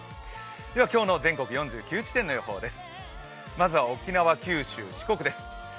今日の全国４９地点の予報です。